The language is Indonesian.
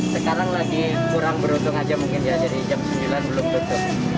sekarang lagi kurang beruntung aja mungkin ya jadi jam sembilan belum tutup